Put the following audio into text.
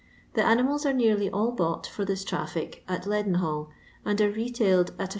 The animalt are nearly all bought, for thit traffic, at Leadenhall, and are retailed at Is.